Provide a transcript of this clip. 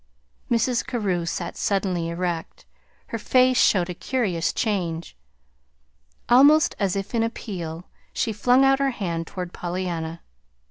Mrs. Carew sat suddenly erect. Her face showed a curious change. Almost as if in appeal she flung out her hand toward Pollyanna.